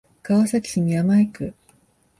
川崎市宮前区